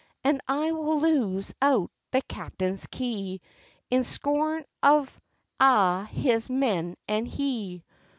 And I will loose out the captain's kye, In scorn of a' his men and he."